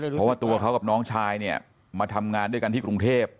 เพราะว่าตัวเขากับน้องชายเนี่ยมาทำงานด้วยกันที่กรุงเทพ